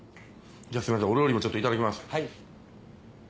すいませんお料理もちょっといただきます。